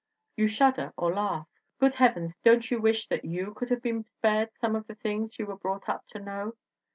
You shudder, or laugh. Good heav ens, don't you wish that you could have been spared some of the things you were brought up to know?